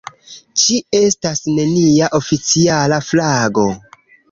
Ĝi estas nenia oficiala flago.